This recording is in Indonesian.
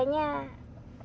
orangnya baik ya